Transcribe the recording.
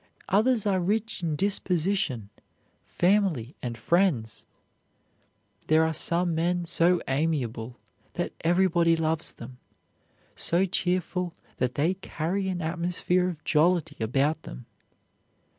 Others are rich in disposition, family, and friends. There are some men so amiable that everybody loves them; so cheerful that they carry an atmosphere of jollity about them.